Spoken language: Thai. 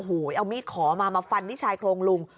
โอ้โหเอามีดขอมามาฟันที่ชายโครงลุง